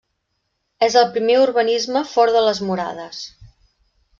És el primer urbanisme fora de les murades.